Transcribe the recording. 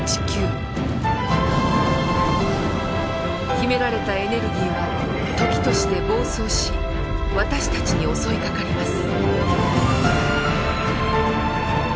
秘められたエネルギーは時として暴走し私たちに襲いかかります。